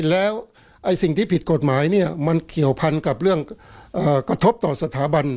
แล้วสิ่งที่ผิดกฎหมายเนี่ยมันเกี่ยวพันกับเรื่องกระทบต่อสถาบัน